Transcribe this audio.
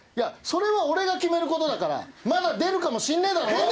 それは俺が決めることだからまだ出るかもしんねえだろ